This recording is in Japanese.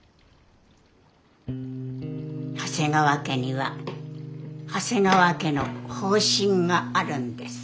長谷川家には長谷川家の方針があるんです。